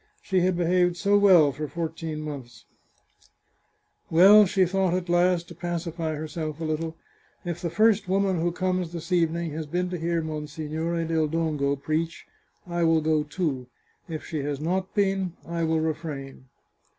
She had behaved so well for fourteen months !" Well," she thought at last, to pacify herself a little, " if the first woman who comes this evening has been to hear Monsignore del Dongo preach I will go too ; if she has not been, I will re frain."